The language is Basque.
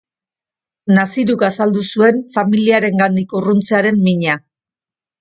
Naziruk azaldu zuen familiarengandik urruntzearen mina.